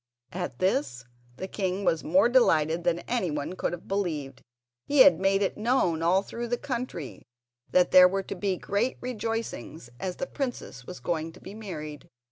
At this the king was more delighted than anyone could have believed. He made it known all through the country that there were to be great rejoicings, as the princess was going to be married.